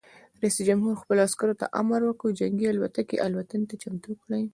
رئیس جمهور خپلو عسکرو ته امر وکړ؛ جنګي الوتکې الوتنې ته چمتو کړئ!